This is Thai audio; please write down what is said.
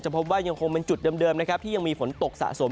จะพบว่ายังคงเป็นจุดเดิมที่ยังมีฝนตกสะสม